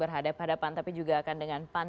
berhadapan hadapan tapi juga akan dengan pan